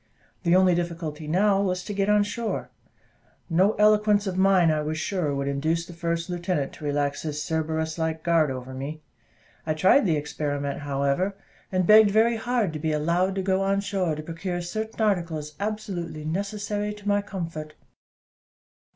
The only difficulty now was to get on shore. No eloquence of mine, I was sure, would induce the first lieutenant to relax his Cerberus like guard over me. I tried the experiment, however; begged very hard "to be allowed to go on shore to procure certain articles absolutely necessary to my comfort."